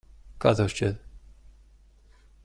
Kā tev šķiet?